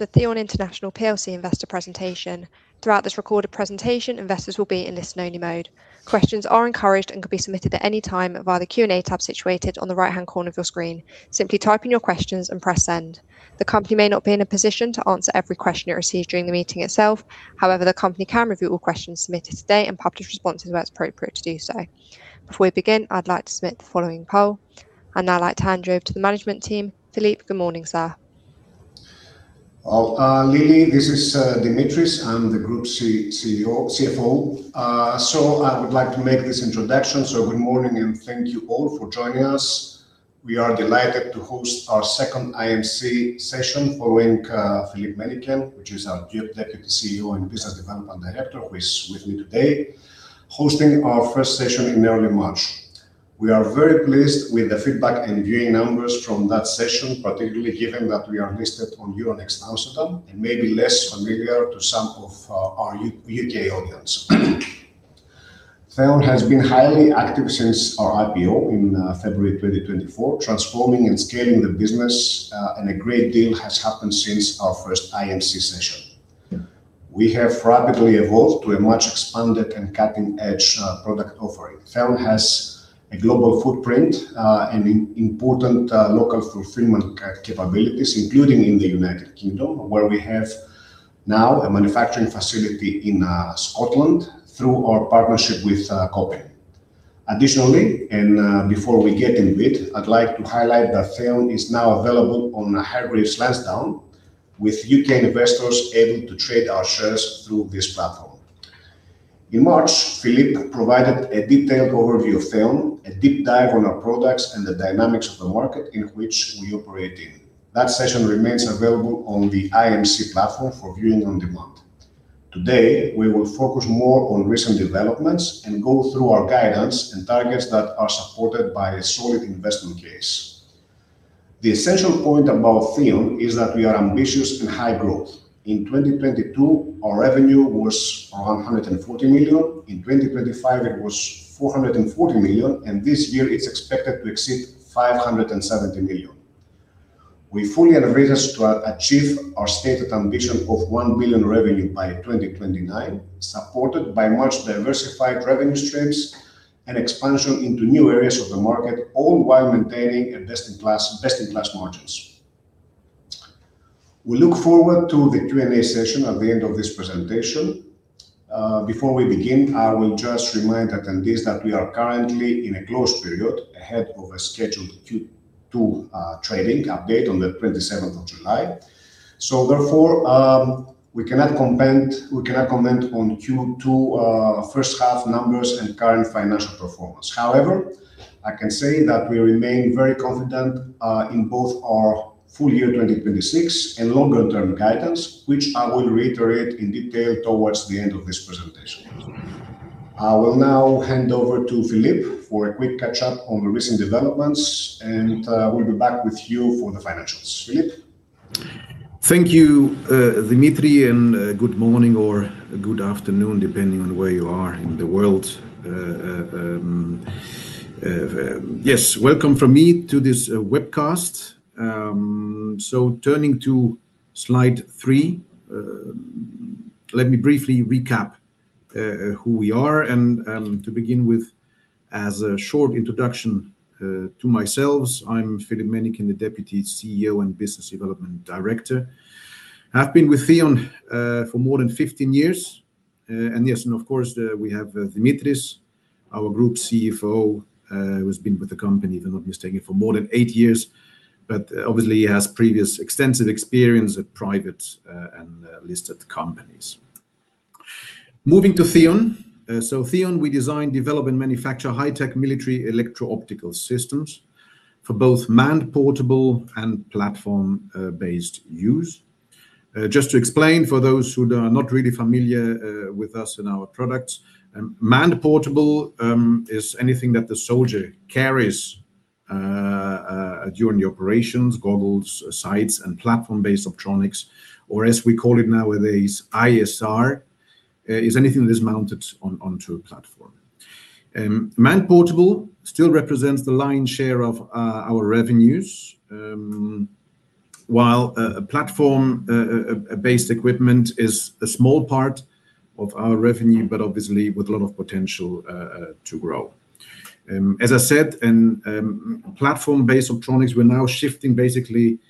The Theon International PLC investor presentation. Throughout this recorded presentation, investors will be in listen only mode. Questions are encouraged and can be submitted at any time via the Q&A tab situated on the right-hand corner of your screen. Simply type in your questions and press send. The company may not be in a position to answer every question it receives during the meeting itself. However, the company can review all questions submitted today and publish responses where it's appropriate to do so. Before we begin, I'd like to submit the following poll. I'd like to hand you over to the management team. Philippe, good morning, sir. Well, Lily, this is Dimitris. I'm the group CFO. I would like to make this introduction. Good morning and thank you all for joining us. We are delighted to host our second IMC session following Philippe Mennicken, who is our Deputy CEO and Business Development Director, who is with me today, hosting our first session in early March. We are very pleased with the feedback and viewing numbers from that session, particularly given that we are listed on Euronext Amsterdam and may be less familiar to some of our U.K. audience. Theon has been highly active since our IPO in February 2024, transforming and scaling the business, and a great deal has happened since our first IMC session. We have rapidly evolved to a much expanded and cutting-edge product offering. Theon has a global footprint, and important local fulfillment capabilities, including in the United Kingdom, where we have now a manufacturing facility in Scotland through our partnership with Kopin. Additionally, and before we get into it, I'd like to highlight that Theon is now available on Hargreaves Lansdown, with U.K. investors able to trade our shares through this platform. In March, Philippe provided a detailed overview of Theon, a deep dive on our products, and the dynamics of the market in which we operate in. That session remains available on the IMC platform for viewing on demand. Today, we will focus more on recent developments and go through our guidance and targets that are supported by a solid investment case. The essential point about Theon is that we are ambitious and high growth. In 2022, our revenue was 140 million. In 2025, it was 440 million, and this year it's expected to exceed 570 million. We are fully on a race to achieve our stated ambition of 1 billion revenue by 2029, supported by much diversified revenue streams and expansion into new areas of the market, all while maintaining best-in-class margins. We look forward to the Q&A session at the end of this presentation. Before we begin, I will just remind attendees that we are currently in a closed period ahead of a scheduled Q2 trading update on the 27th of July. Therefore, we cannot comment on Q2 first-half numbers and current financial performance. However, I can say that we remain very confident in both our full year 2026 and longer-term guidance, which I will reiterate in detail towards the end of this presentation. I will now hand over to Philippe for a quick catch-up on the recent developments, and we will be back with you for the financials. Philippe? Thank you, Dimitri, good morning or good afternoon, depending on where you are in the world. Yes, welcome from me to this webcast. Turning to slide three, let me briefly recap who we are and to begin with, as a short introduction to myself, I am Philippe Mennicken, the Deputy CEO and Business Development Director. I have been with Theon for more than 15 years. Of course, we have Dimitris, our Group CFO, who has been with the company, if I am not mistaken, for more than eight years. Obviously, he has previous extensive experience at private and listed companies. Moving to Theon. Theon, we design, develop, and manufacture high-tech military electro-optical systems for both man-portable and platform-based use. Just to explain for those who are not really familiar with us and our products, man-portable is anything that the soldier carries during the operations, goggles, sights. Platform-based optronics, or as we call it nowadays, ISR, is anything that is mounted onto a platform. Man-portable still represents the lion's share of our revenues, while platform-based equipment is a small part of our revenue, obviously with a lot of potential to grow. As I said, platform-based optronics, we are now shifting basically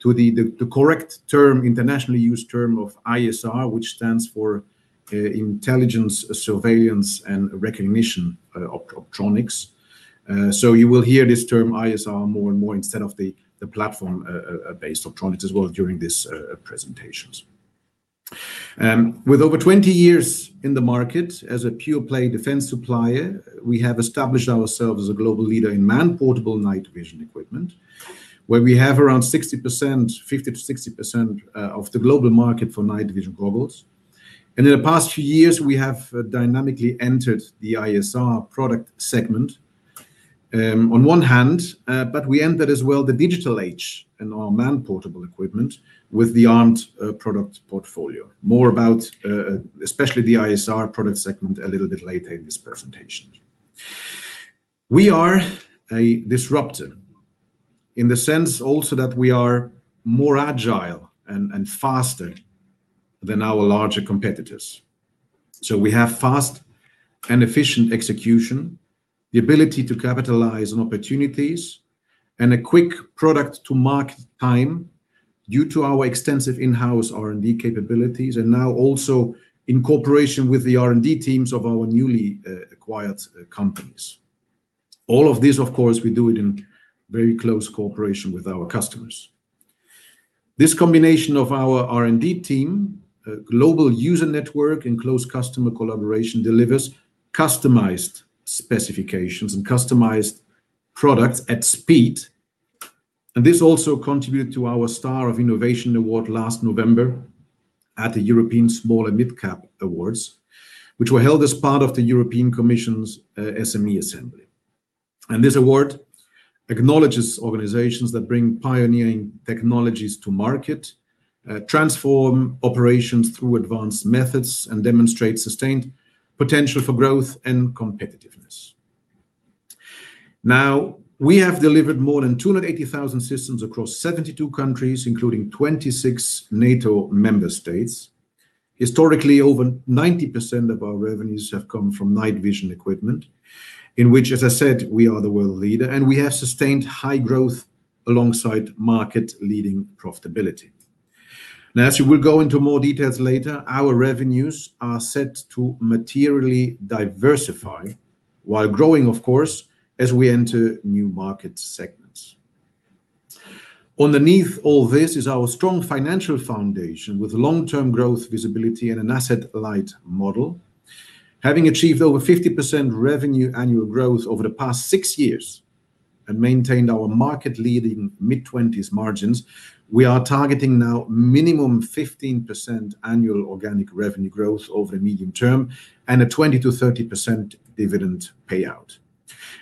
to the correct term, internationally used term of ISR, which stands for intelligence, surveillance, and recognition optronics. You will hear this term ISR more and more instead of the platform-based optronics as well during these presentations. With over 20 years in the market as a pure-play defense supplier, we have established ourselves as a global leader in man-portable night vision equipment, where we have around 50%-60% of the global market for night vision goggles. In the past few years, we have dynamically entered the ISR product segment on one hand, but we entered as well the digital age in our man-portable equipment with the A.R.M.E.D. product portfolio. More about especially the ISR product segment a little bit later in this presentation. We are a disruptor in the sense also that we are more agile and faster than our larger competitors. We have fast and efficient execution, the ability to capitalize on opportunities, and a quick product-to-market time due to our extensive in-house R&D capabilities, and now also in cooperation with the R&D teams of our newly acquired companies. All of this, of course, we do it in very close cooperation with our customers. This combination of our R&D team, global user network, and close customer collaboration delivers customized specifications and customized products at speed. This also contributed to our Star of Innovation award last November at the European Small & Mid-Cap Awards, which were held as part of the European Commission's SME Assembly. This award acknowledges organizations that bring pioneering technologies to market, transform operations through advanced methods, and demonstrate sustained potential for growth and competitiveness. We have delivered more than 280,000 systems across 72 countries, including 26 NATO member states. Historically, over 90% of our revenues have come from night vision equipment, in which, as I said, we are the world leader, and we have sustained high growth alongside market-leading profitability. As we will go into more details later, our revenues are set to materially diversify while growing, of course, as we enter new market segments. Underneath all this is our strong financial foundation with long-term growth visibility and an asset-light model. Having achieved over 50% revenue annual growth over the past six years and maintained our market-leading mid-20s margins, we are targeting now minimum 15% annual organic revenue growth over the medium term and a 20%-30% dividend payout.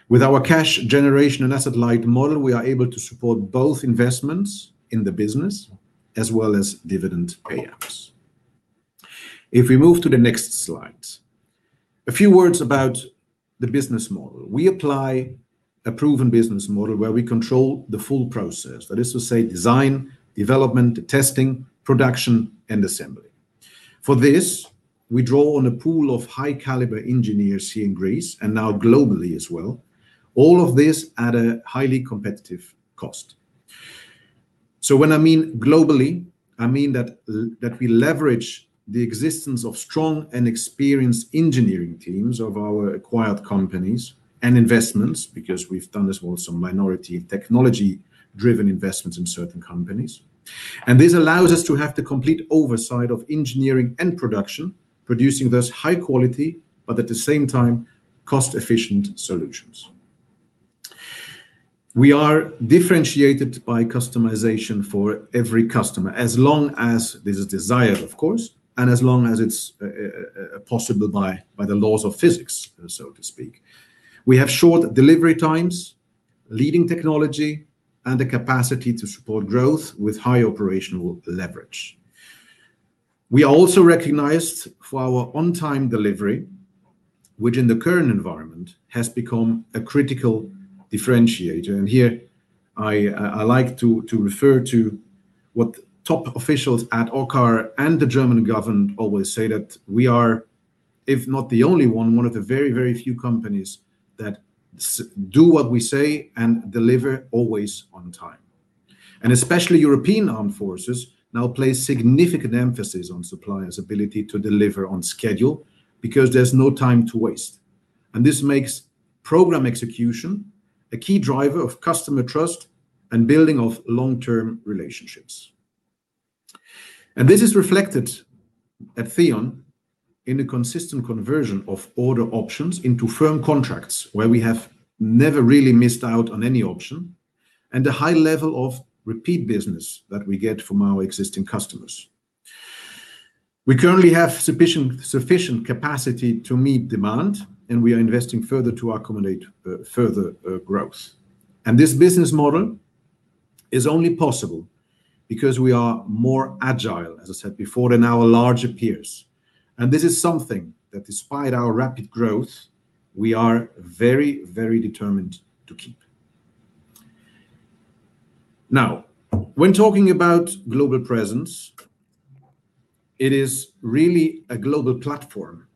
With our cash generation and asset-light model, we are able to support both investments in the business as well as dividend payouts. If we move to the next slides, a few words about the business model. We apply a proven business model where we control the full process. That is to say design, development, testing, production, and assembly. For this, we draw on a pool of high-caliber engineers here in Greece and now globally as well. All of this at a highly competitive cost. When I mean globally, I mean that we leverage the existence of strong and experienced engineering teams of our acquired companies and investments because we've done as well some minority technology-driven investments in certain companies. This allows us to have the complete oversight of engineering and production, producing thus high quality, but at the same time, cost-efficient solutions. We are differentiated by customization for every customer, as long as there's a desire, of course, and as long as it's possible by the laws of physics, so to speak. We have short delivery times, leading technology, and the capacity to support growth with high operational leverage. We are also recognized for our on-time delivery, which in the current environment has become a critical differentiator. Here I like to refer to what top officials at OCCAR, and the German government always say that we are, if not the only one of the very, very few companies that do what we say and deliver always on time. Especially European armed forces now place significant emphasis on suppliers' ability to deliver on schedule because there's no time to waste. This makes program execution a key driver of customer trust and building of long-term relationships. This is reflected at Theon in a consistent conversion of order options into firm contracts, where we have never really missed out on any option, and a high level of repeat business that we get from our existing customers. We currently have sufficient capacity to meet demand, and we are investing further to accommodate further growth. This business model is only possible because we are more agile, as I said before, than our larger peers. This is something that despite our rapid growth, we are very determined to keep. When talking about global presence, it is really a global platform,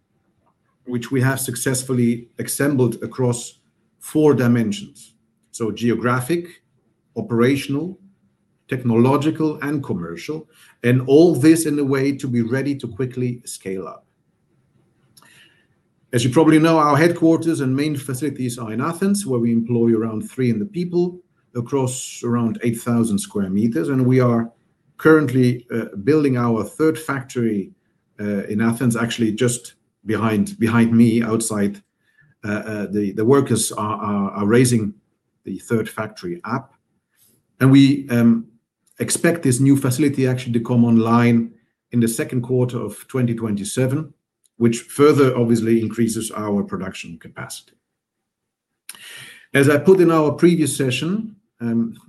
which we have successfully assembled across four dimensions. Geographic, operational, technological, and commercial, all this in a way to be ready to quickly scale up. As you probably know, our headquarters and main facilities are in Athens, where we employ around 300 people across around 8,000 sq m. We are currently building our third factory in Athens. Actually, just behind me outside, the workers are raising the third factory up. We expect this new facility actually to come online in the second quarter of 2027, which further obviously increases our production capacity. As I put in our previous session,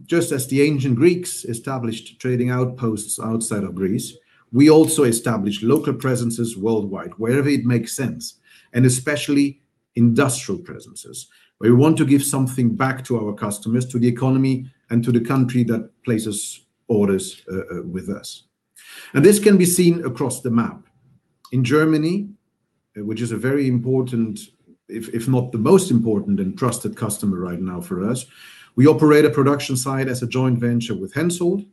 just as the ancient Greeks established trading outposts outside of Greece, we also established local presences worldwide, wherever it makes sense, and especially industrial presences, where we want to give something back to our customers, to the economy, and to the country that places orders with us. This can be seen across the map. In Germany, which is a very important, if not the most important and trusted customer right now for us, we operate a production site as a joint venture with Hensoldt,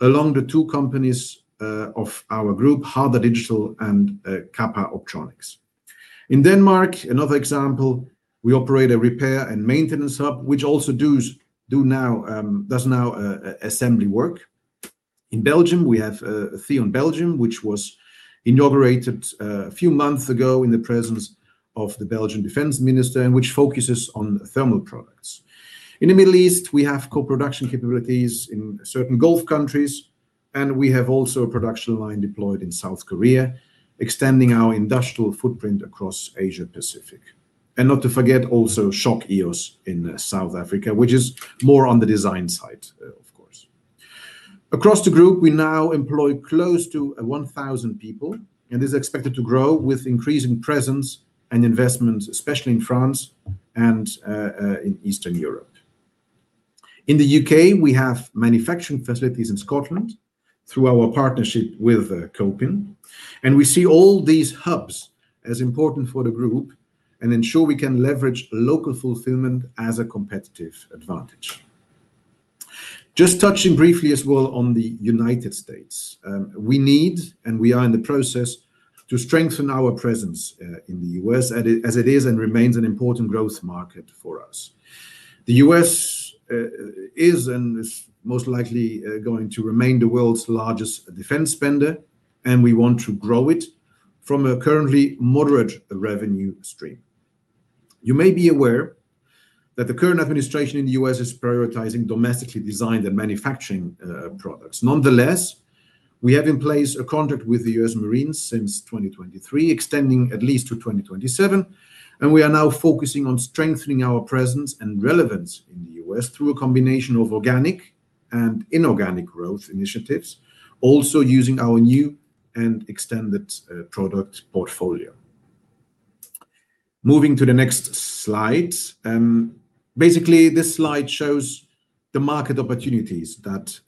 along the two companies of our group, Harder Digital and Kappa Optronics. In Denmark, another example, we operate a repair and maintenance hub, which also does now assembly work. In Belgium, we have Theon Belgium, which was inaugurated a few months ago in the presence of the Belgian defense minister, and which focuses on thermal products. In the Middle East, we have co-production capabilities in certain Gulf countries, we have also a production line deployed in South Korea, extending our industrial footprint across Asia-Pacific. Not to forget also SHOCK EOS in South Africa, which is more on the design side, of course. Across the group, we now employ close to 1,000 people, this is expected to grow with increasing presence and investment, especially in France and in Eastern Europe. In the U.K., we have manufacturing facilities in Scotland through our partnership with Kopin. We see all these hubs as important for the group and ensure we can leverage local fulfillment as a competitive advantage. Just touching briefly as well on the U.S. We need, and we are in the process, to strengthen our presence in the U.S. as it is and remains an important growth market for us. The U.S. is, and is most likely going to remain, the world's largest defense spender, we want to grow it from a currently moderate revenue stream. You may be aware that the current administration in the U.S. is prioritizing domestically designed and manufacturing products. Nonetheless, we have in place a contract with the U.S. Marine Corps since 2023, extending at least to 2027, we are now focusing on strengthening our presence and relevance in the U.S. through a combination of organic and inorganic growth initiatives, also using our new and extended product portfolio. Moving to the next slide. Basically, this slide shows the market opportunities that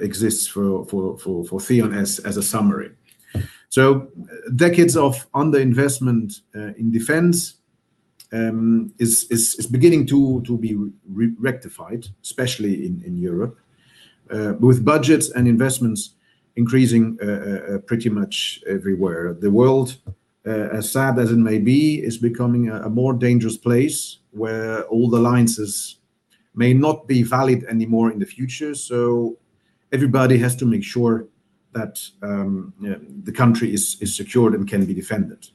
exist for Theon as a summary. Decades of underinvestment in defense is beginning to be rectified, especially in Europe, with budgets and investments increasing pretty much everywhere. The world, as sad as it may be, is becoming a more dangerous place where old alliances may not be valid anymore in the future. Everybody has to make sure that the country is secured and can be defended.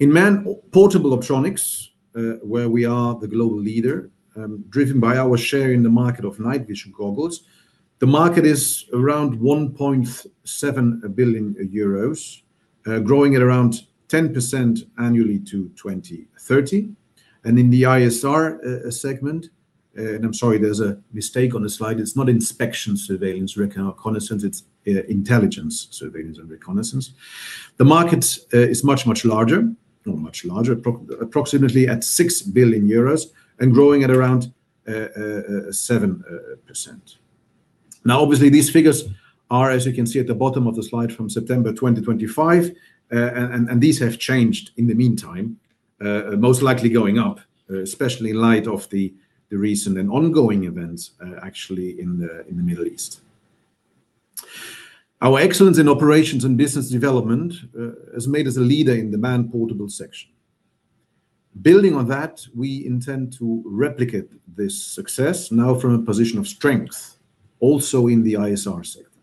In man-portable optronics, where we are the global leader, driven by our share in the market of night vision goggles, the market is around 1.7 billion euros, growing at around 10% annually to 2030. In the Intelligence, Surveillance, and Reconnaissance segment, I'm sorry, there's a mistake on the slide. It's not Inspection, Surveillance, Reconnaissance, it's Intelligence, Surveillance, and Reconnaissance. The market is much, much larger. Not much larger, approximately at 6 billion euros, and growing at around 7%. Obviously, these figures are, as you can see at the bottom of the slide, from September 2025, and these have changed in the meantime, most likely going up, especially in light of the recent and ongoing events actually in the Middle East. Our excellence in operations and business development has made us a leader in the man-portable section. Building on that, we intend to replicate this success now from a position of strength, also in the Intelligence, Surveillance, and Reconnaissance sector.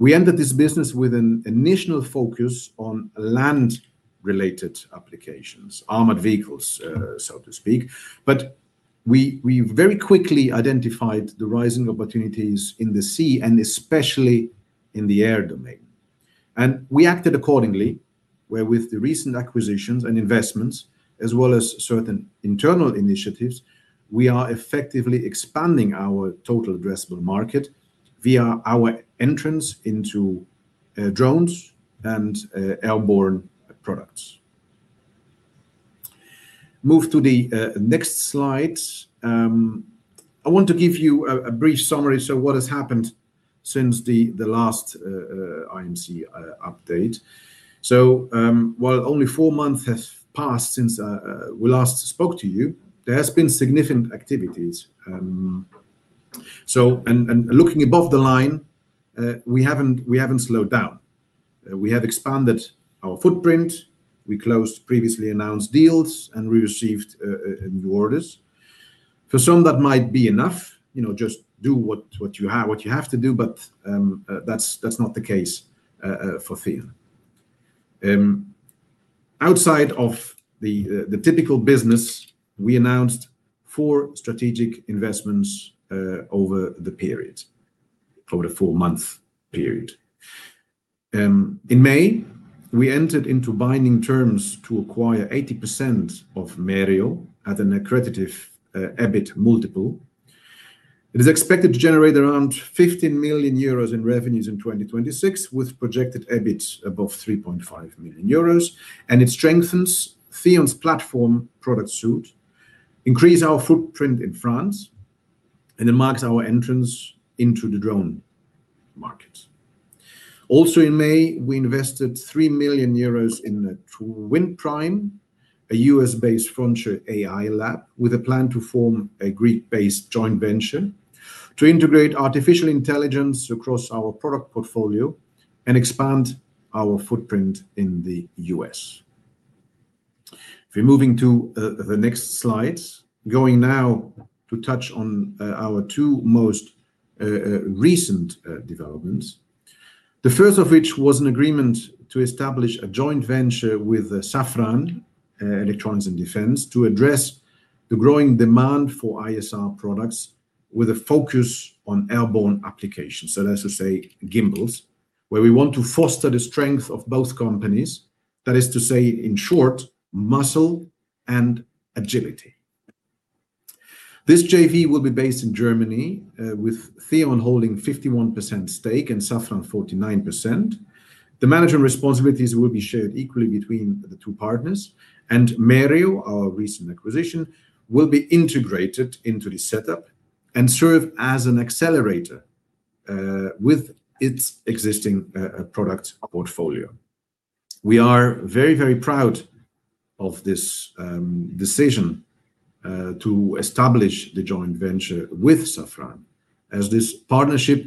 We entered this business with an initial focus on land-related applications, armored vehicles, so to speak, but we very quickly identified the rising opportunities in the sea and especially in the air domain. We acted accordingly, where with the recent acquisitions and investments, as well as certain internal initiatives, we are effectively expanding our total addressable market via our entrance into drones and airborne products. Move to the next slide. I want to give you a brief summary, what has happened since the last IMC update. While only four months have passed since we last spoke to you, there has been significant activities. Looking above the line, we haven't slowed down. We have expanded our footprint. We closed previously announced deals and we received new orders. For some, that might be enough, just do what you have to do, but that's not the case for Theon. Outside of the typical business, we announced four strategic investments over a four-month period. In May, we entered into binding terms to acquire 80% of Merio at an accretive EBIT multiple. It is expected to generate around 15 million euros in revenues in 2026, with projected EBIT above 3.5 million euros. It strengthens Theon's platform product suite, increase our footprint in France, and it marks our entrance into the drone market. Also in May, we invested 3 million euros into Twin Prime, a U.S.-based frontier AI lab with a plan to form a Greek-based joint venture to integrate artificial intelligence across our product portfolio and expand our footprint in the U.S. If we're moving to the next slides, going now to touch on our two most recent developments. The first of which was an agreement to establish a joint venture with Safran Electronics & Defense to address the growing demand for Intelligence, Surveillance, and Reconnaissance products with a focus on airborne applications. That's to say gimbals, where we want to foster the strength of both companies. That is to say, in short, muscle and agility. This JV will be based in Germany, with Theon holding 51% stake and Safran 49%. The management responsibilities will be shared equally between the two partners. Merio, our recent acquisition, will be integrated into the setup and serve as an accelerator with its existing product portfolio. We are very proud of this decision to establish the joint venture with Safran, as this partnership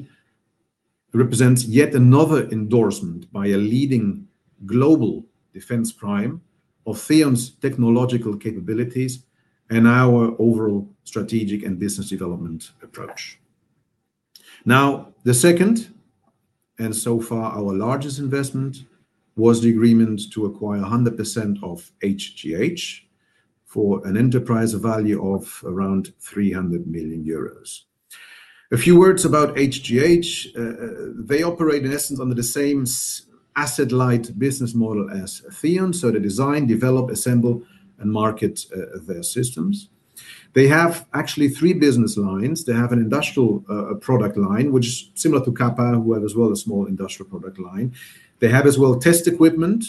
represents yet another endorsement by a leading global defense prime of Theon's technological capabilities and our overall strategic and business development approach. The second, and so far our largest investment, was the agreement to acquire 100% of HGH for an enterprise value of around 300 million euros. A few words about HGH. They operate, in essence, under the same asset-light business model as Theon. They design, develop, assemble, and market their systems. They have actually three business lines. They have an industrial product line, which is similar to Kappa, who have as well a small industrial product line. They have as well test equipment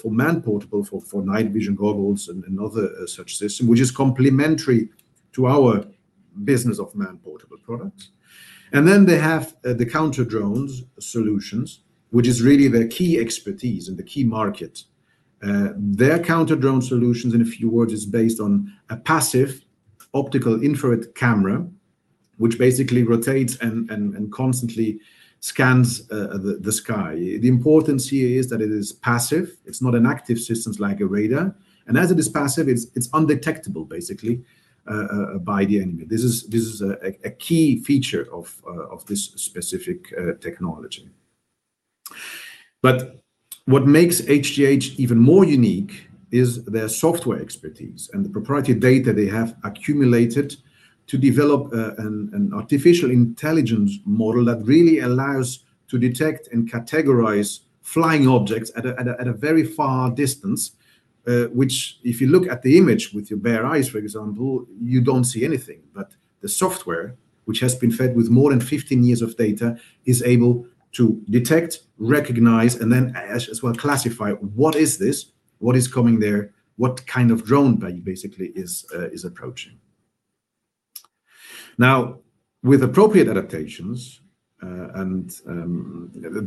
for man-portable, for night vision goggles and other such system, which is complementary to our business of man-portable products. They have the counter-drones solutions, which is really their key expertise and the key market. Their counter-drone solutions, in a few words, is based on a passive optical infrared camera, which basically rotates and constantly scans the sky. The importance here is that it is passive. It's not an active system like a radar. As it is passive, it's undetectable, basically, by the enemy. This is a key feature of this specific technology. What makes HGH even more unique is their software expertise and the proprietary data they have accumulated to develop an artificial intelligence model that really allows to detect and categorize flying objects at a very far distance, which if you look at the image with your bare eyes, for example, you don't see anything. The software, which has been fed with more than 15 years of data, is able to detect, recognize, and then as well classify what is this, what is coming there, what kind of drone basically is approaching. With appropriate adaptations,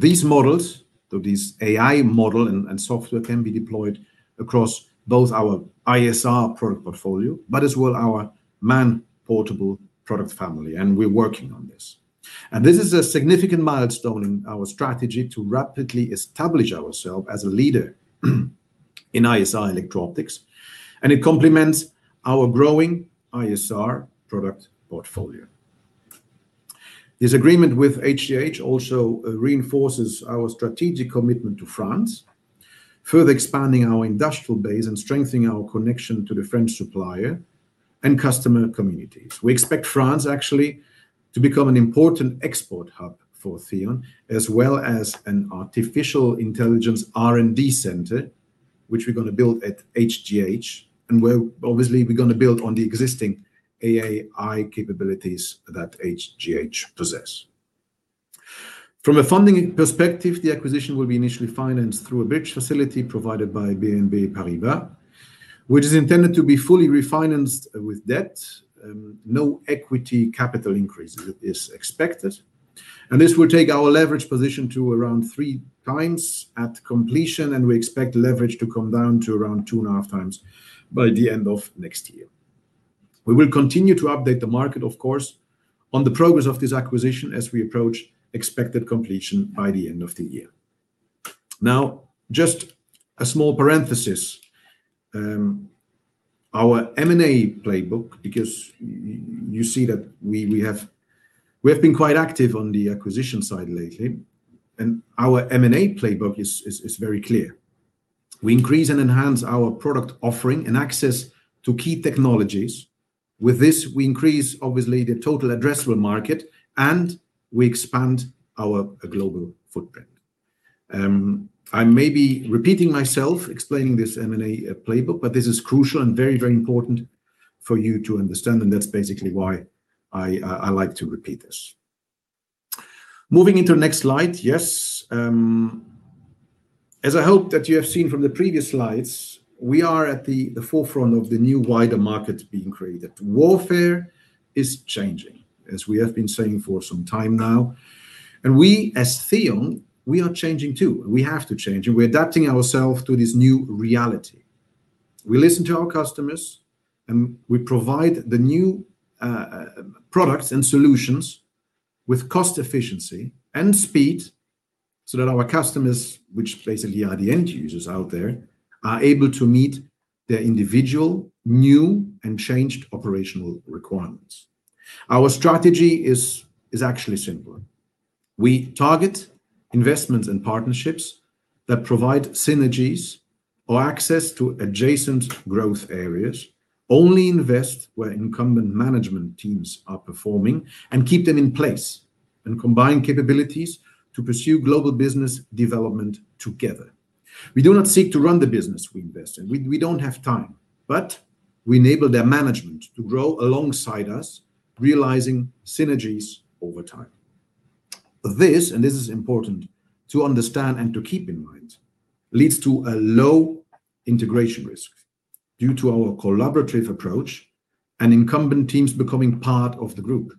these models, so this AI model and software can be deployed across both our ISR product portfolio, but as well our man-portable product family. We're working on this. This is a significant milestone in our strategy to rapidly establish ourselves as a leader in ISR electro-optics. It complements our growing ISR product portfolio. This agreement with HGH also reinforces our strategic commitment to France, further expanding our industrial base and strengthening our connection to the French supplier and customer communities. We expect France, actually, to become an important export hub for Theon, as well as an artificial intelligence R&D center, which we're going to build at HGH. Obviously, we're going to build on the existing AI capabilities that HGH possess. From a funding perspective, the acquisition will be initially financed through a bridge facility provided by BNP Paribas, which is intended to be fully refinanced with debt. No equity capital increase is expected. This will take our leverage position to around three times at completion, we expect leverage to come down to around 2.5 times by the end of next year. We will continue to update the market, of course, on the progress of this acquisition as we approach expected completion by the end of the year. Just a small parenthesis. Our M&A playbook, because you see that we have been quite active on the acquisition side lately, our M&A playbook is very clear. We increase and enhance our product offering and access to key technologies. With this, we increase obviously the total addressable market and we expand our global footprint. I may be repeating myself explaining this M&A playbook, but this is crucial and very important for you to understand, that's basically why I like to repeat this. Moving into the next slide. As I hope that you have seen from the previous slides, we are at the forefront of the new wider market being created. Warfare is changing, as we have been saying for some time now, we, as Theon, we are changing too, we have to change, we're adapting ourselves to this new reality. We listen to our customers, we provide the new products and solutions with cost efficiency and speed so that our customers, which basically are the end users out there, are able to meet their individual, new, and changed operational requirements. Our strategy is actually simple. We target investments and partnerships that provide synergies or access to adjacent growth areas, only invest where incumbent management teams are performing, keep them in place, combine capabilities to pursue global business development together. We do not seek to run the business we invest in. We don't have time. We enable their management to grow alongside us, realizing synergies over time. This, this is important to understand and to keep in mind, leads to a low integration risk due to our collaborative approach and incumbent teams becoming part of the group.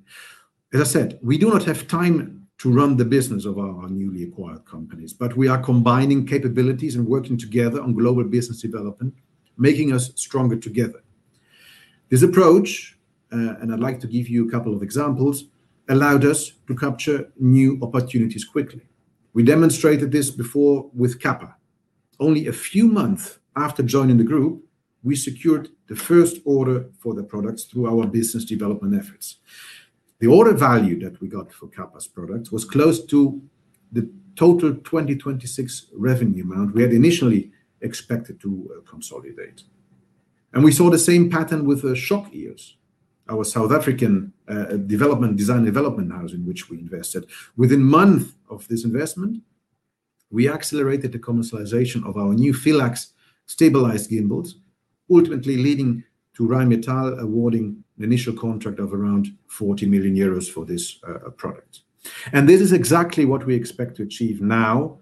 As I said, we do not have time to run the business of our newly acquired companies, we are combining capabilities and working together on global business development, making us stronger together. This approach, I'd like to give you a couple of examples, allowed us to capture new opportunities quickly. We demonstrated this before with Kappa. Only a few months after joining the group, we secured the first order for the products through our business development efforts. The order value that we got for Kappa's products was close to the total 2026 revenue amount we had initially expected to consolidate. We saw the same pattern with SHOCK EOS, our South African design development house in which we invested. Within months of this investment, we accelerated the commercialization of our new PHYLAX stabilized gimbals, ultimately leading to Rheinmetall awarding an initial contract of around 40 million euros for this product. This is exactly what we expect to achieve now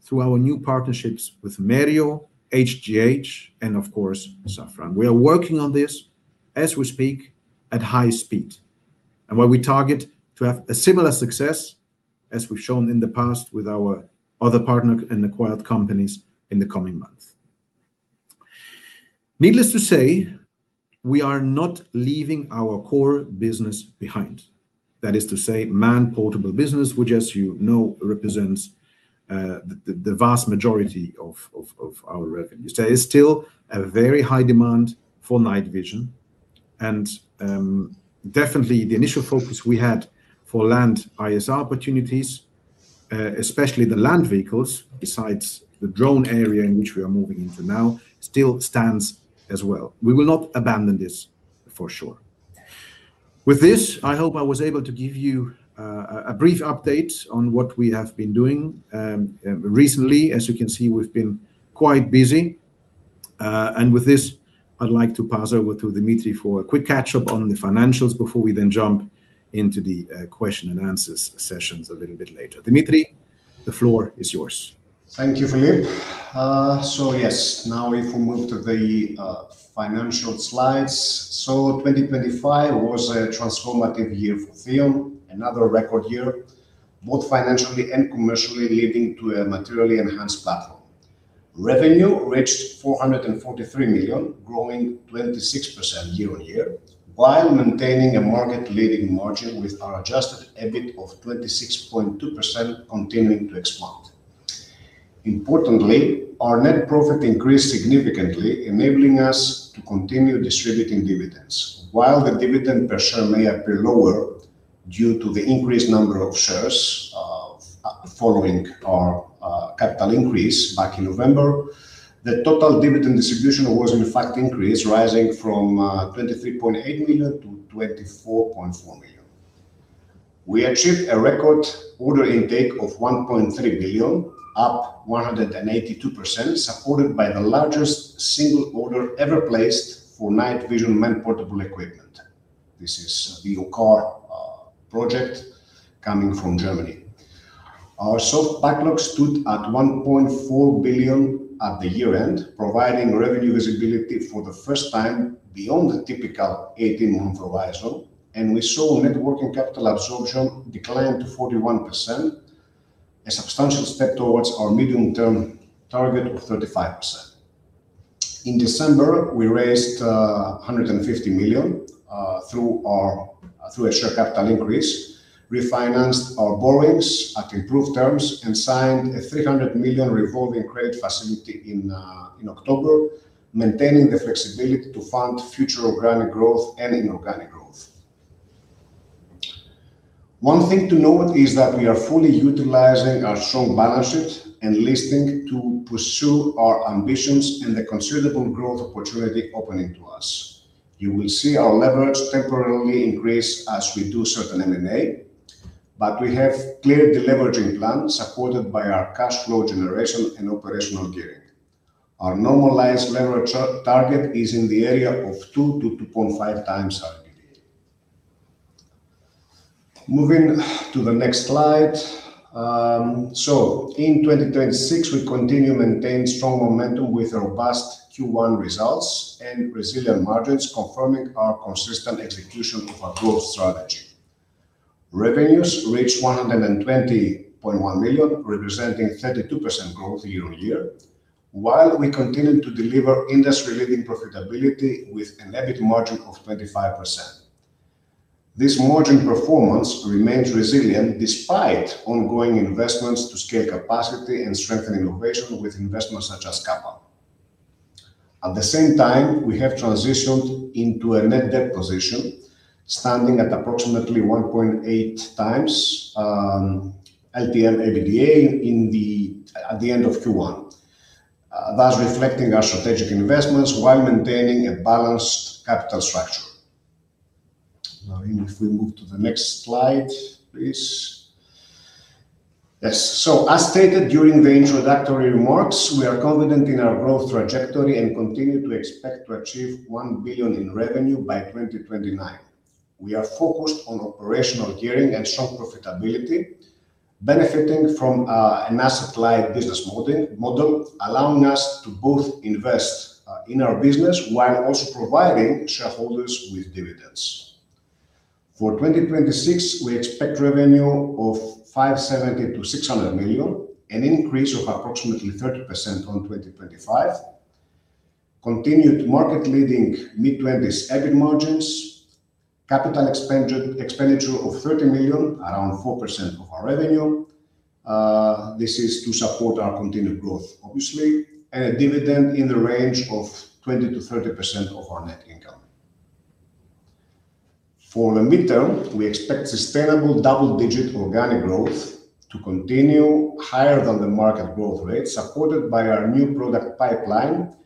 through our new partnerships with Merio, HGH, and of course, Safran. We are working on this as we speak at high speed, where we target to have a similar success as we've shown in the past with our other partner and acquired companies in the coming months. Needless to say, we are not leaving our core business behind. That is to say, man-portable business, which, as you know, represents the vast majority of our revenues. There is still a very high demand for night vision, and definitely the initial focus we had for land ISR opportunities, especially the land vehicles, besides the drone area in which we are moving into now, still stands as well. We will not abandon this, for sure. With this, I hope I was able to give you a brief update on what we have been doing recently. As you can see, we've been quite busy. With this, I'd like to pass over to Dimitris for a quick catch-up on the financials before we then jump into the question and answer sessions a little bit later. Dimitris, the floor is yours. Thank you, Philippe. Yes, now if we move to the financial slides. 2023 was a transformative year for Theon, another record year, both financially and commercially, leading to a materially enhanced platform. Revenue reached 443 million, growing 26% year-on-year, while maintaining a market-leading margin with our adjusted EBIT of 26.2% continuing to expand. Importantly, our net profit increased significantly, enabling us to continue distributing dividends. While the dividend per share may appear lower due to the increased number of shares following our capital increase back in November, the total dividend distribution was in fact increased, rising from 23.8 million to 24.4 million. We achieved a record order intake of 1.3 billion, up 182%, supported by the largest single order ever placed for night vision man-portable equipment. This is the OCCAR project coming from Germany. Our soft backlog stood at 1.4 billion at the year-end, providing revenue visibility for the first time beyond the typical 18-month proviso, and we saw net working capital absorption decline to 41%, a substantial step towards our medium-term target of 35%. In December, we raised 150 million through a share capital increase, refinanced our borrowings at improved terms, and signed a 300 million revolving credit facility in October, maintaining the flexibility to fund future organic growth and inorganic growth. One thing to note is that we are fully utilizing our strong balance sheet and leasing to pursue our ambitions and the considerable growth opportunity opening to us. You will see our leverage temporarily increase as we do certain M&A, but we have cleared the leveraging plan, supported by our cash flow generation and operational gearing. Our normalized leverage target is in the area of two to 2.5 times our EBITDA. Moving to the next slide. In 2024, we continue maintain strong momentum with robust Q1 results and resilient margins, confirming our consistent execution of our growth strategy. Revenues reached 120.1 million, representing 32% growth year-over-year, while we continued to deliver industry-leading profitability with an EBIT margin of 25%. This margin performance remains resilient despite ongoing investments to scale capacity and strengthen innovation with investments such as Kappa. At the same time, we have transitioned into a net debt position, standing at approximately 1.8 times LTM EBITDA at the end of Q1. That's reflecting our strategic investments while maintaining a balanced capital structure. Marine, if we move to the next slide, please. As stated during the introductory remarks, we are confident in our growth trajectory and continue to expect to achieve 1 billion in revenue by 2029. We are focused on operational gearing and strong profitability, benefiting from an asset-light business model, allowing us to both invest in our business while also providing shareholders with dividends. For 2026, we expect revenue of 570 million-600 million, an increase of approximately 30% on 2025, continued market-leading mid-20s EBIT margins, capital expenditure of 30 million, around 4% of our revenue. This is to support our continued growth, obviously, and a dividend in the range of 20%-30% of our net income. For the midterm, we expect sustainable double-digit organic growth to continue higher than the market growth rate, supported by our new product pipeline,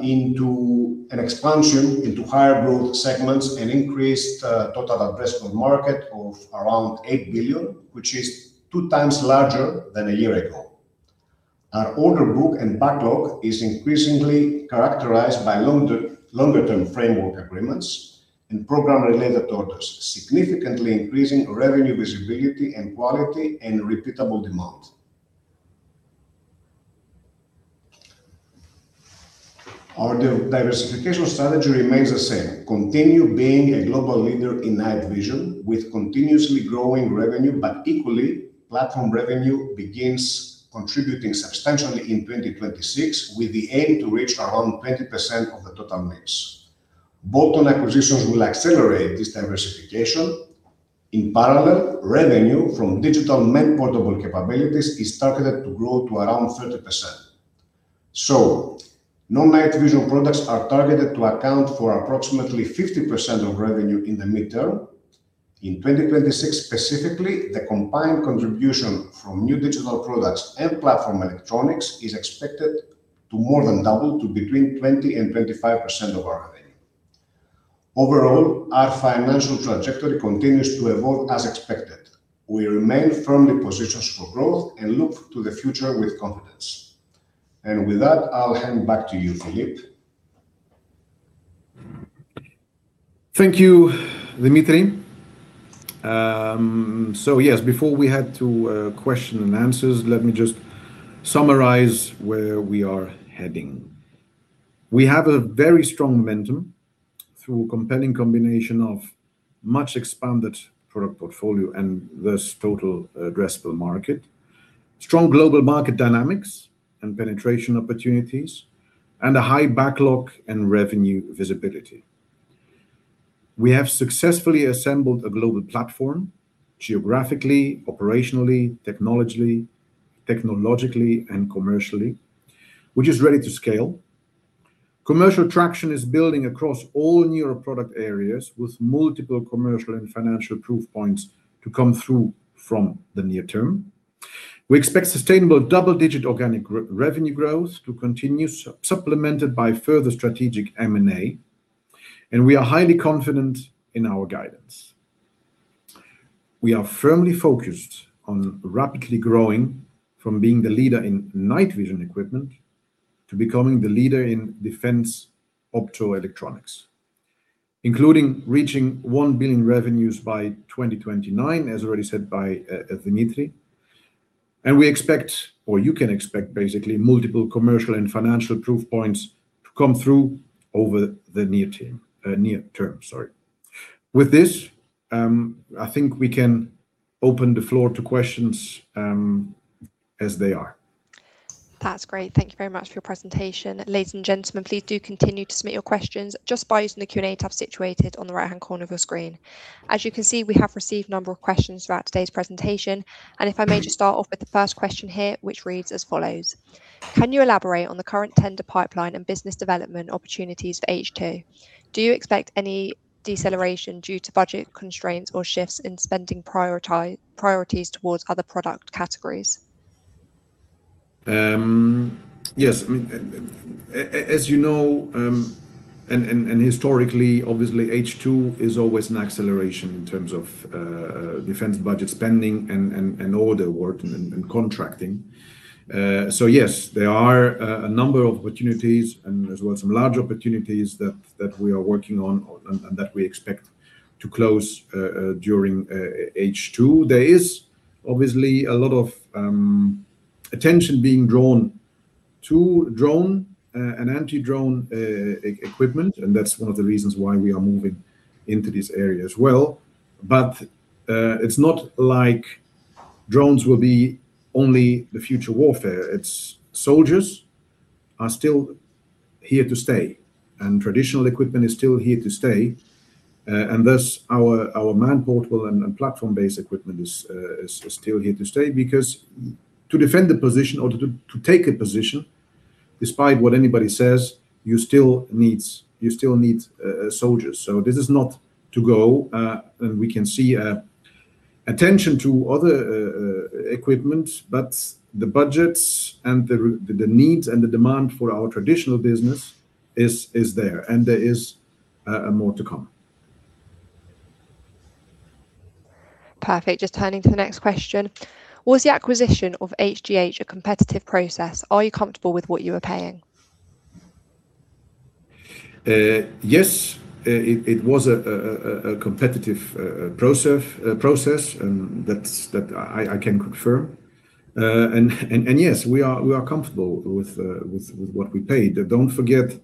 into an expansion into higher growth segments, an increased total addressable market of around 8 billion, which is two times larger than a year ago. Our order book and backlog is increasingly characterized by longer term framework agreements and program-related orders, significantly increasing revenue visibility and quality and repeatable demand. Our diversification strategy remains the same. Continue being a global leader in night vision with continuously growing revenue, but equally, platform revenue begins contributing substantially in 2026, with the aim to reach around 20% of the total mix. Bolt-on acquisitions will accelerate this diversification. In parallel, revenue from digital man-portable capabilities is targeted to grow to around 30%. Non-night vision products are targeted to account for approximately 50% of revenue in the midterm. In 2026 specifically, the combined contribution from new digital products and platform electronics is expected to more than double to between 20%-25% of our revenue. Overall, our financial trajectory continues to evolve as expected. We remain firmly positioned for growth and look to the future with confidence. With that, I'll hand back to you, Philippe. Thank you, Dimitris. Yes, before we head to question and answers, let me just summarize where we are heading. We have a very strong momentum through a compelling combination of much expanded product portfolio and thus total addressable market, strong global market dynamics and penetration opportunities, and a high backlog and revenue visibility. We have successfully assembled a global platform geographically, operationally, technologically, and commercially, which is ready to scale. Commercial traction is building across all newer product areas, with multiple commercial and financial proof points to come through from the near term. We expect sustainable double-digit organic revenue growth to continue, supplemented by further strategic M&A, and we are highly confident in our guidance. We are firmly focused on rapidly growing from being the leader in night vision equipment to becoming the leader in defense optoelectronics, including reaching 1 billion revenues by 2029, as already said by Dimitris. We expect, or you can expect, basically, multiple commercial and financial proof points to come through over the near term. With this, I think we can open the floor to questions as they are. That's great. Thank you very much for your presentation. Ladies and gentlemen, please do continue to submit your questions just by using the Q&A tab situated on the right-hand corner of your screen. As you can see, we have received a number of questions throughout today's presentation, and if I may just start off with the first question here, which reads as follows: Can you elaborate on the current tender pipeline and business development opportunities for H2? Do you expect any deceleration due to budget constraints or shifts in spending priorities towards other product categories? Yes. As you know, historically, obviously H2 is always an acceleration in terms of defense budget spending and order work and contracting. Yes, there are a number of opportunities and as well some large opportunities that we are working on and that we expect to close during H2. There is obviously a lot of attention being drawn to drone and anti-drone equipment, and that's one of the reasons why we are moving into this area as well. It's not like drones will be only the future warfare. Soldiers are still here to stay, and traditional equipment is still here to stay. Thus our man-portable and platform-based equipment is still here to stay because to defend the position or to take a position, despite what anybody says, you still need soldiers. This is not to go. We can see attention to other equipment, but the budgets and the needs and the demand for our traditional business is there and there is more to come. Perfect. Just turning to the next question. Was the acquisition of HGH a competitive process? Are you comfortable with what you were paying? Yes. It was a competitive process and that I can confirm. Yes, we are comfortable with what we paid. Don't forget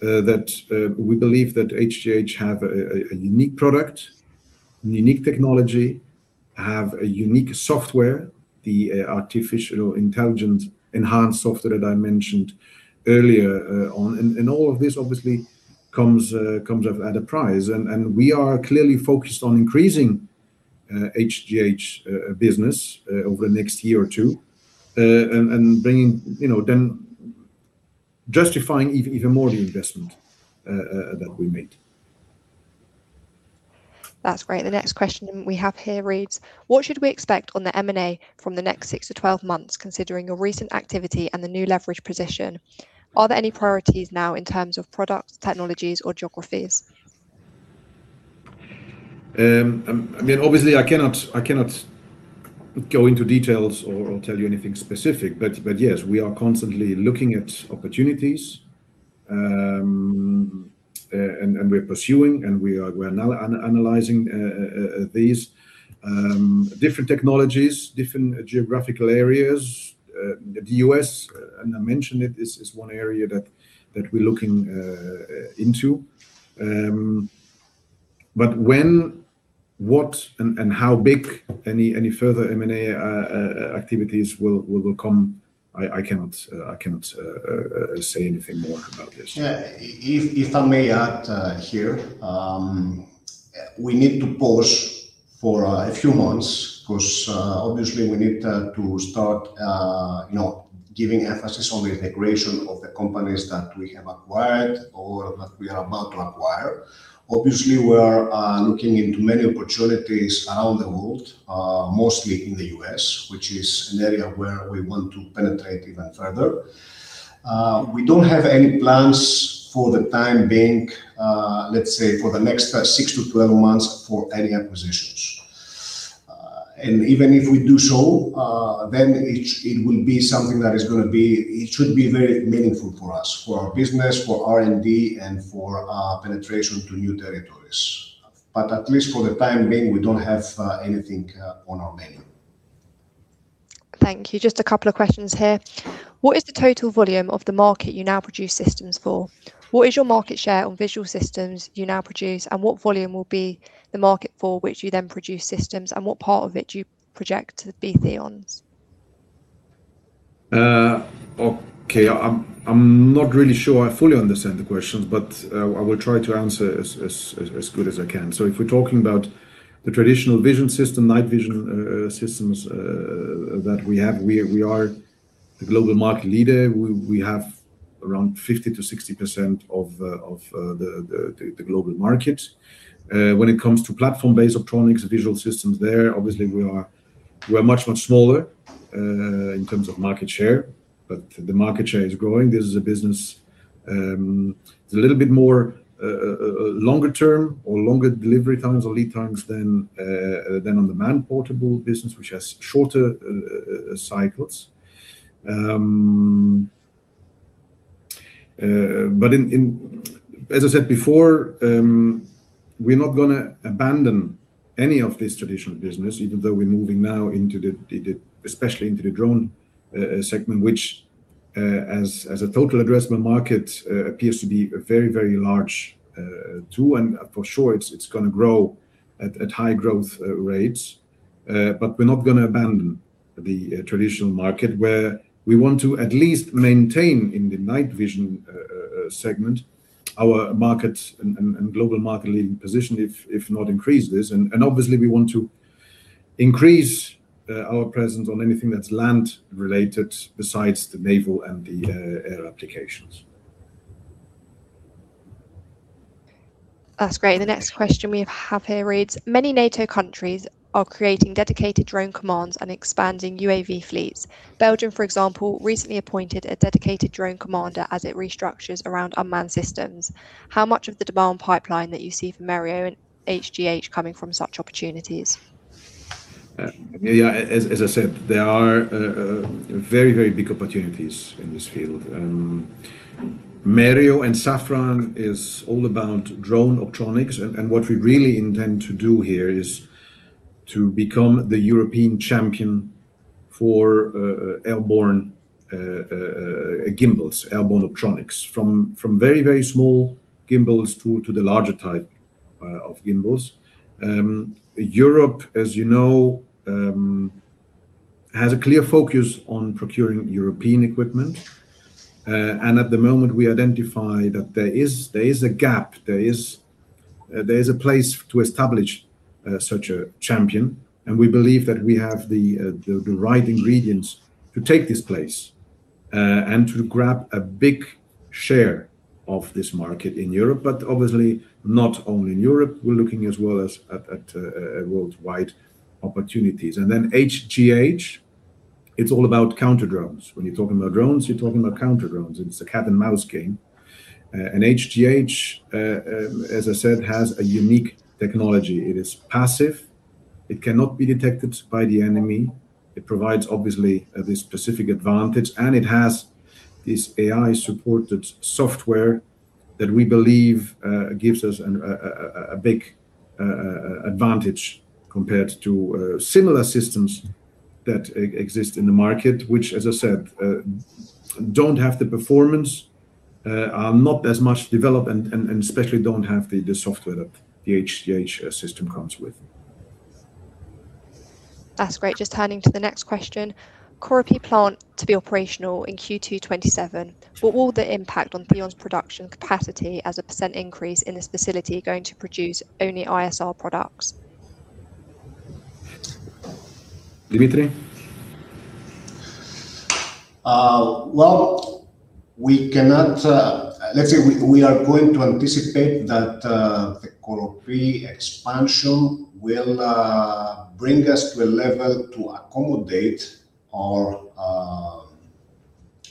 that we believe that HGH have a unique product, a unique technology, have a unique software, the artificial intelligence enhanced software that I mentioned earlier on. All of this obviously comes at a price. We are clearly focused on increasing HGH business over the next year or two, and then justifying even more the investment that we made. That's great. The next question we have here reads: what should we expect on the M&A from the next six to 12 months, considering your recent activity and the new leverage position? Are there any priorities now in terms of products, technologies, or geographies? Obviously, I cannot go into details or tell you anything specific, but yes, we are constantly looking at opportunities. We're pursuing, and we're now analyzing these different technologies, different geographical areas. The U.S., and I mentioned it, is one area that we're looking into. When, what, and how big any further M&A activities will come, I cannot say anything more about this. Yeah. If I may add here, we need to pause for a few months because obviously we need to start giving emphasis on the integration of the companies that we have acquired or that we are about to acquire. Obviously, we are looking into many opportunities around the world, mostly in the U.S., which is an area where we want to penetrate even further. We don't have any plans for the time being, let's say, for the next six to 12 months for any acquisitions. Even if we do so, it will be something that is going to be very meaningful for us, for our business, for R&D, and for our penetration to new territories. At least for the time being, we don't have anything on our menu. Thank you. Just a couple of questions here. What is the total volume of the market you now produce systems for? What is your market share on visual systems you now produce, and what volume will be the market for which you then produce systems, and what part of it do you project to be Theon's? Okay. I'm not really sure I fully understand the questions, I will try to answer as good as I can. If we're talking about the traditional vision system, night vision systems that we have, we are the global market leader. We have around 50%-60% of the global market. When it comes to platform-based optronics and visual systems there, obviously we're much, much smaller in terms of market share, the market share is growing. This is a business, it's a little bit more longer term or longer delivery times or lead times than on the man-portable business, which has shorter cycles. As I said before, we're not going to abandon any of this traditional business, even though we're moving now especially into the drone segment, which as a total addressable market, appears to be very, very large too. For sure, it's going to grow at high growth rates. We're not going to abandon the traditional market where we want to at least maintain in the night vision segment, our market and global market leading position, if not increase this. Obviously, we want to increase our presence on anything that's land-related besides the naval and the air applications. That's great. The next question we have here reads: Many NATO countries are creating dedicated drone commands and expanding UAV fleets. Belgium, for example, recently appointed a dedicated drone commander as it restructures around unmanned systems. How much of the demand pipeline that you see for Merio and HGH coming from such opportunities? Yeah. As I said, there are very big opportunities in this field. Merio and Safran is all about drone optronics. What we really intend to do here is to become the European champion for airborne gimbals, airborne optronics, from very small gimbals to the larger type of gimbals. Europe, as you know, has a clear focus on procuring European equipment. At the moment, we identify that there is a gap, there is a place to establish such a champion, and we believe that we have the right ingredients to take this place, and to grab a big share of this market in Europe, but obviously not only in Europe. We're looking as well at worldwide opportunities. Then HGH, it's all about counter-drones. When you're talking about drones, you're talking about counter-drones. It's a cat and mouse game. HGH, as I said, has a unique technology. It is passive. It cannot be detected by the enemy. It provides, obviously, this specific advantage. It has this AI-supported software that we believe gives us a big advantage compared to similar systems that exist in the market, which, as I said, don't have the performance, are not as much developed, and especially don't have the software that the HGH system comes with. That's great. Just turning to the next question. Koropi plant to be operational in Q2 2027. What will the impact on Theon's production capacity as a % increase in this facility going to produce only ISR products? Dimitri? Well, let's say we are going to anticipate that the Koropi expansion will bring us to a level to accommodate our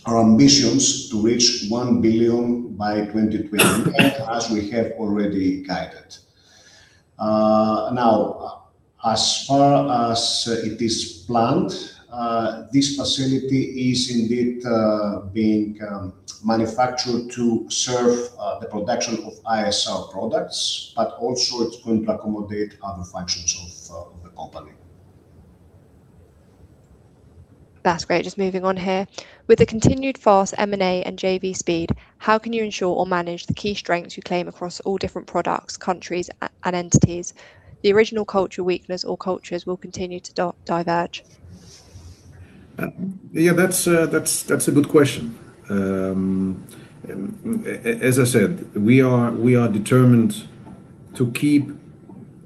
ambitions to reach 1 billion by 2028, as we have already guided. As far as it is planned, this facility is indeed being manufactured to serve the production of ISR products, but also it's going to accommodate other functions of the company. That's great. Just moving on here. With the continued fast M&A and JV speed, how can you ensure or manage the key strengths you claim across all different products, countries, and entities? The original culture, weakness, or cultures will continue to diverge. Yeah, that's a good question. As I said, we are determined to keep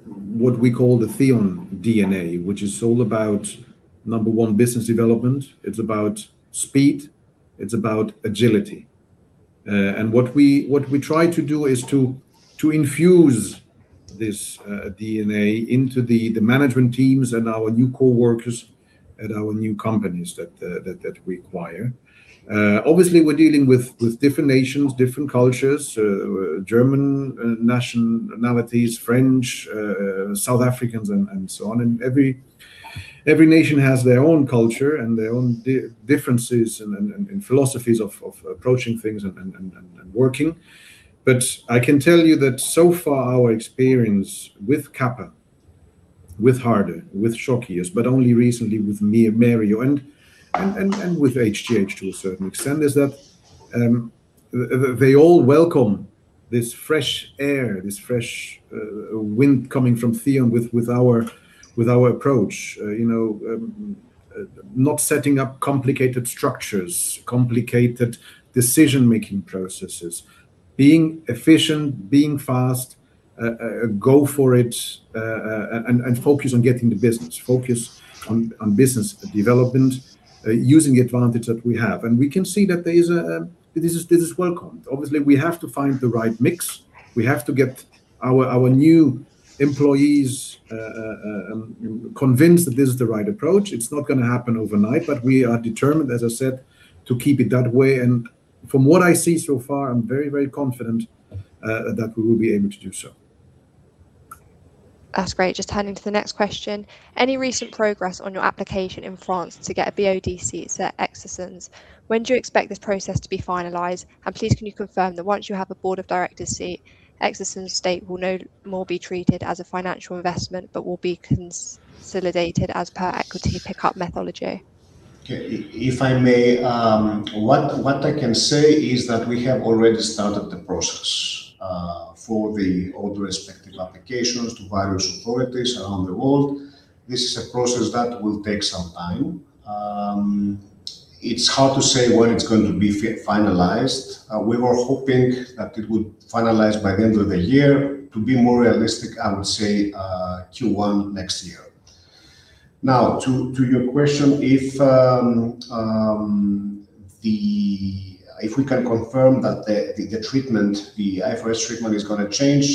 what we call the Theon International DNA, which is all about, number 1, business development. It's about speed. It's about agility. What we try to do is to infuse this DNA into the management teams and our new coworkers at our new companies that we acquire. Obviously, we're dealing with different nations, different cultures, German nationalities, French, South Africans, and so on. Every nation has their own culture and their own differences and philosophies of approaching things and working. I can tell you that so far, our experience with Kappa, with Harder Digital, with SHOCK EOS, but only recently with Merio SAS and with HGH Systèmes Infrarouges to a certain extent, is that they all welcome this fresh air, this fresh wind coming from Theon International with our approach. Not setting up complicated structures, complicated decision-making processes, being efficient, being fast, go for it, and focus on getting the business. Focus on business development using the advantage that we have. We can see that this is welcomed. Obviously, we have to find the right mix. We have to get our new employees convinced that this is the right approach. It's not going to happen overnight, we are determined, as I said, to keep it that way. From what I see so far, I'm very confident that we will be able to do so. That's great. Just turning to the next question. Any recent progress on your application in France to get a BOD seat at Exosens? When do you expect this process to be finalized? Please, can you confirm that once you have a board of directors' seat, Exosens stake will no more be treated as a financial investment, but will be consolidated as per equity pickup methodology? Okay. If I may, what I can say is that we have already started the process for all the respective applications to various authorities around the world. This is a process that will take some time. It's hard to say when it's going to be finalized. We were hoping that it would finalize by the end of the year. To be more realistic, I would say Q1 next year. To your question, if we can confirm that the IFRS treatment is going to change,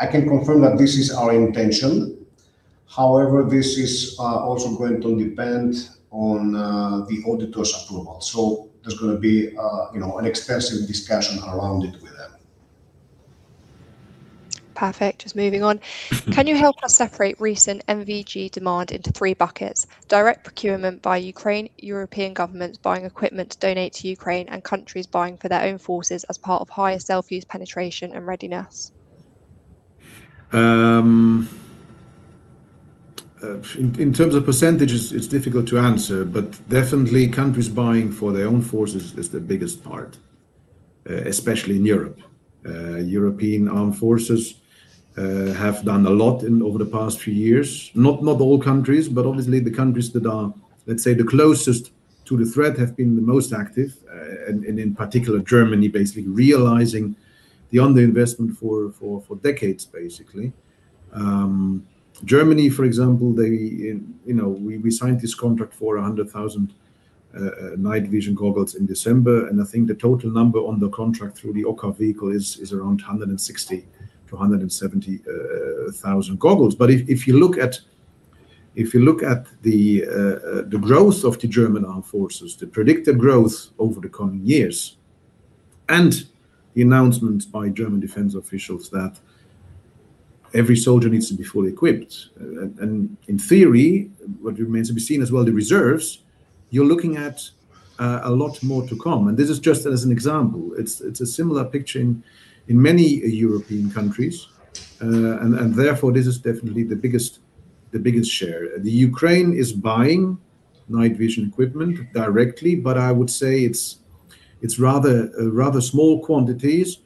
I can confirm that this is our intention. This is also going to depend on the auditor's approval. There's going to be an extensive discussion around it with them. Perfect. Just moving on. Can you help us separate recent NVG demand into three buckets, direct procurement by Ukraine, European governments buying equipment to donate to Ukraine, and countries buying for their own forces as part of higher self-use penetration and readiness? In terms of percentages, it's difficult to answer, definitely countries buying for their own forces is the biggest part, especially in Europe. European armed forces have done a lot over the past few years. Not all countries, obviously the countries that are, let's say, the closest to the threat have been the most active, in particular, Germany, basically realizing the underinvestment for decades, basically. Germany, for example, we signed this contract for 100,000-night vision goggles in December, I think the total number on the contract through the OCCAR vehicle is around 260,000-270,000 goggles. If you look at the growth of the German armed forces, the predicted growth over the coming years, and the announcements by German defense officials that every soldier needs to be fully equipped, and in theory, what remains to be seen as well, the reserves, you're looking at a lot more to come. This is just as an example. It's a similar picture in many European countries. Therefore, this is definitely the biggest share. Ukraine is buying night vision equipment directly, but I would say it's rather small quantities,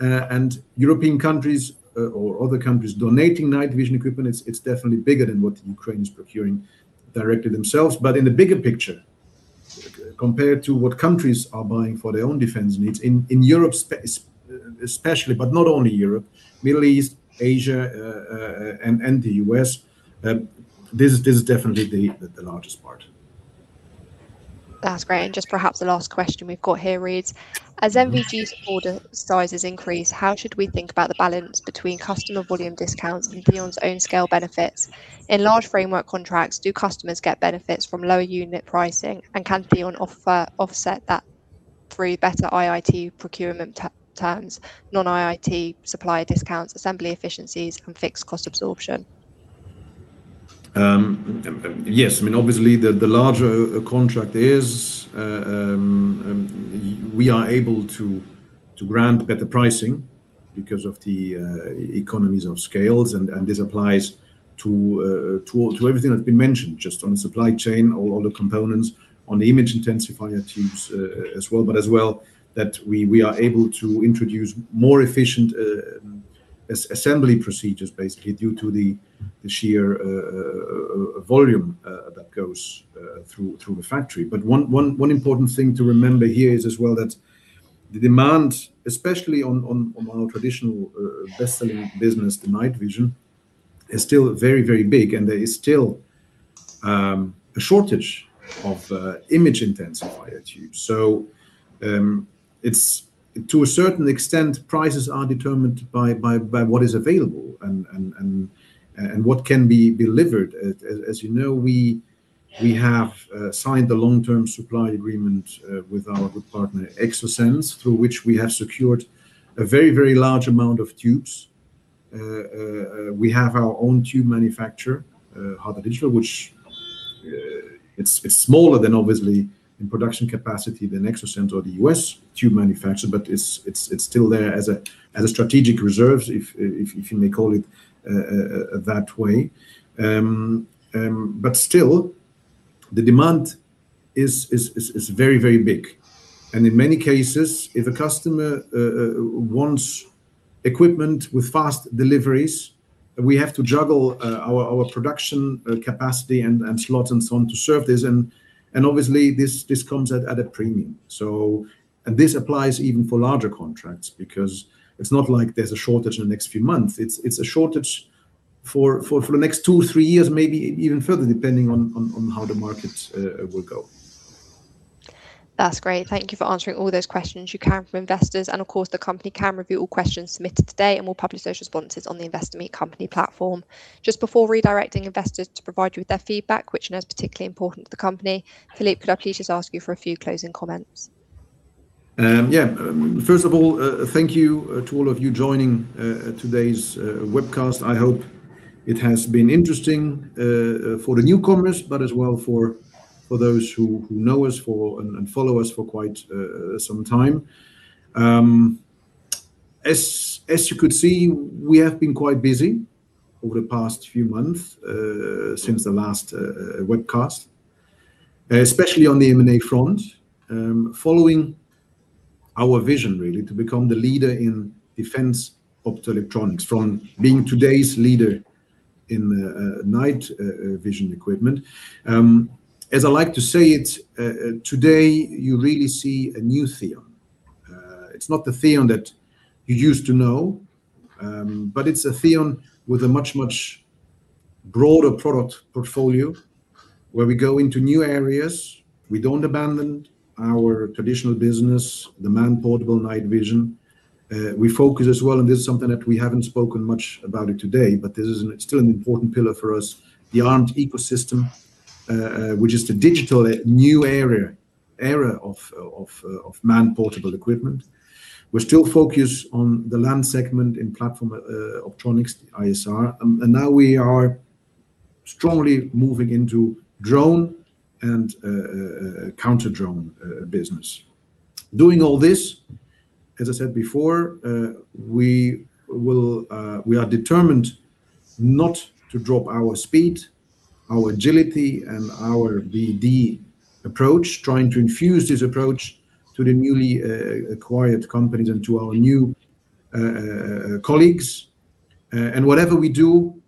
and European countries or other countries donating night vision equipment, it's definitely bigger than what Ukraine is procuring directly themselves. In the bigger picture, compared to what countries are buying for their own defense needs, in Europe especially, but not only Europe, Middle East, Asia, and the U.S., this is definitely the largest part. That's great. Just perhaps the last question we've got here reads, "As NVG order sizes increase, how should we think about the balance between customer volume discounts and Theon's own scale benefits? In large framework contracts, do customers get benefits from lower unit pricing, and can Theon offset that through better IIT procurement terms, non-IIT supplier discounts, assembly efficiencies, and fixed cost absorption? Yes. Obviously, the larger a contract is, we are able to grant better pricing because of the economies of scales, and this applies to everything that's been mentioned, just on the supply chain, all the components, on the image intensifier tubes as well, but as well that we are able to introduce more efficient assembly procedures, basically, due to the sheer volume that goes through the factory. One important thing to remember here is as well that the demand, especially on our traditional best-selling business, the night vision, is still very, very big, and there is still a shortage of image intensifier tubes. To a certain extent, prices are determined by what is available and what can be delivered. As you know, we have signed the long-term supply agreement with our partner, Exosens, through which we have secured a very, very large amount of tubes. We have our own tube manufacturer, Harder Digital, which it's smaller than obviously in production capacity than Exosens or the U.S. tube manufacturer, but it's still there as a strategic reserve, if you may call it that way. Still, the demand is very, very big. In many cases, if a customer wants equipment with fast deliveries, we have to juggle our production capacity and slots and so on to serve this. Obviously, this comes at a premium. This applies even for larger contracts because it's not like there's a shortage in the next few months. It's a shortage for the next two, three years, maybe even further, depending on how the markets will go. That's great. Thank you for answering all those questions you can from investors. Of course, the company can review all questions submitted today, and we'll publish those responses on the Investor Meet Company platform. Just before redirecting investors to provide, you with their feedback, which I know is particularly important to the company, Philippe, could I please just ask you for a few closing comments? First of all, thank you to all of you joining today's webcast. I hope it has been interesting for the newcomers, but as well for those who know us and follow us for quite some time. As you could see, we have been quite busy over the past few months since the last webcast, especially on the M&A front, following our vision, really, to become the leader in defense optoelectronics, from being today's leader in night vision equipment. As I like to say it, today you really see a new Theon. It's not the Theon that you used to know, but it's a Theon with a much, much broader product portfolio, where we go into new areas. We don't abandon our traditional business, the man-portable night vision. We focus as well, this is something that we haven't spoken much about it today, but this is still an important pillar for us, the A.R.M.E.D. ecosystem, which is the digital new era of man-portable equipment. We're still focused on the land segment in platform optronics ISR, and now we are strongly moving into drone and counter-drone business. Doing all this, as I said before, we are determined not to drop our speed, our agility, and our BD approach, trying to infuse this approach to the newly acquired companies and to our new colleagues. Whatever we do,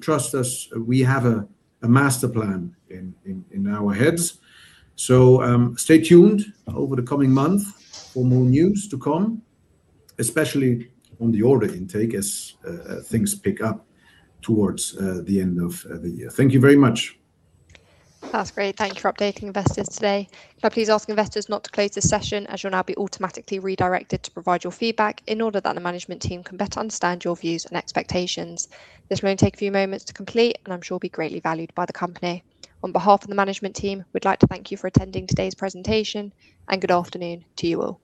trust us, we have a master plan in our heads. Stay tuned over the coming month for more news to come, especially on the order intake as things pick up towards the end of the year. Thank you very much. That's great. Thank you for updating investors today. Can I please ask investors not to close this session, as you'll now be automatically redirected to provide your feedback in order that the management team can better understand your views and expectations. This will only take a few moments to complete, and I'm sure will be greatly valued by the company. On behalf of the management team, we'd like to thank you for attending today's presentation, and good afternoon to you all.